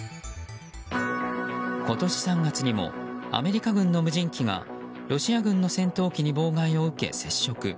今年３月にもアメリカ軍の無人機がロシア軍の戦闘機に妨害を受け接触。